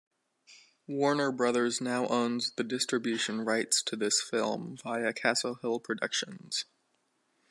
Warner Brothers now owns the distribution rights to this film via Castle Hill Productions.